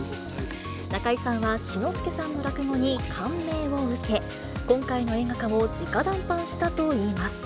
中井さんは、志の輔さんの落語に感銘を受け、今回の映画化をじか談判したといいます。